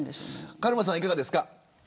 カルマさん、いかがですか。